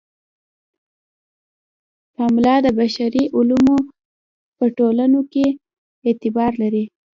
پملا د بشري علومو په ټولنو کې اعتبار لري.